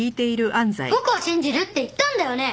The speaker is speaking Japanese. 僕を信じるって言ったんだよね？